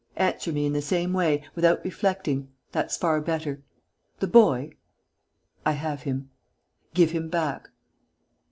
Answer me in the same way, without reflecting: that's far better. The boy?" "I have him." "Give him back."